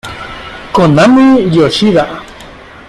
Konami Yoshida